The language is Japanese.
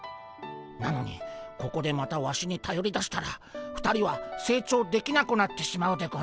なのにここでまたワシにたよりだしたら２人は成長できなくなってしまうでゴンス。